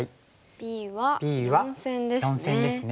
Ｂは４線ですね。